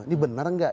ini benar enggak